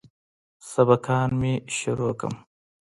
سبقان مې شروع کم.